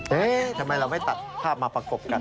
ทำไมเราไม่ตัดภาพมาประกบกัน